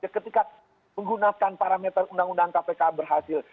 ketika menggunakan parameter undang undang kpk berhasil